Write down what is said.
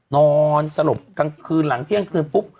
นอนสลบกลางคืนหลังเที่ยงคืนปุ๊บ